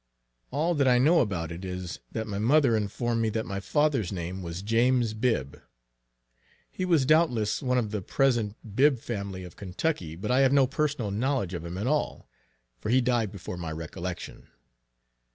All that I know about it is, that my mother informed me that my fathers name was JAMES BIBB. He was doubtless one of the present Bibb family of Kentucky; but I have no personal knowledge of him at all, for he died before my recollection.